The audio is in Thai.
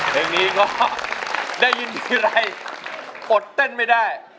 เพลงนี้ก็ได้ยินทีไรอดเต้นไม่ได้